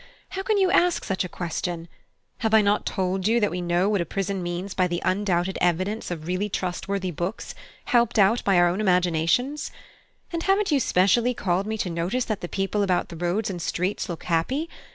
how can you ask such a question? Have I not told you that we know what a prison means by the undoubted evidence of really trustworthy books, helped out by our own imaginations? And haven't you specially called me to notice that the people about the roads and streets look happy?